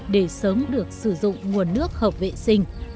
để sớm được sử dụng nguồn nước hợp vệ sinh